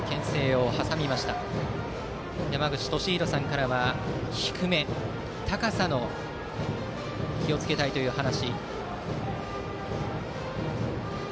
山口敏弘さんからは低め高さに気をつけたいという話。